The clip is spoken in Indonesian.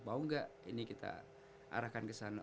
mau gak ini kita arahkan kesana